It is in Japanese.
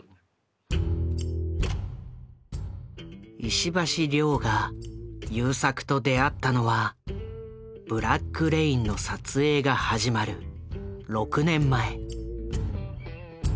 石橋凌が優作と出会ったのは「ブラック・レイン」の撮影が始まる６年前。